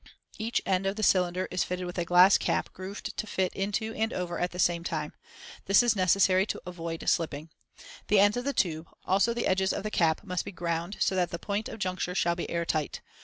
Each end of the cylinder is fitted with a glass cap, grooved to fit into and over it at the same time; this is necessary to avoid slipping. The ends of the tube, also the edges of the caps, must be ground, so that the point of juncture shall be air tight.